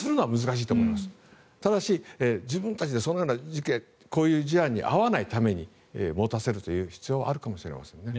しかし、自分たちにそういう事件こういう事案に遭わないために持たせる必要はあるかもしれません。